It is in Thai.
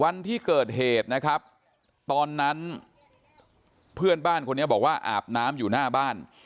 วันที่เกิดเหตุนะครับตอนนั้นเพื่อนบ้านคนนี้บอกว่าอาบน้ำอยู่หน้าบ้าน